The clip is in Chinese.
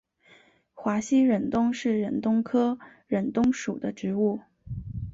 华西忍冬是忍冬科忍冬属的植物。